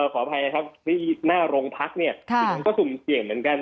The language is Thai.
ขออภัยนะครับที่หน้าโรงพักเนี่ยมันก็สุ่มเสี่ยงเหมือนกัน